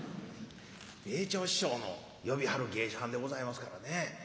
米朝師匠の呼びはる芸者はんでございますからね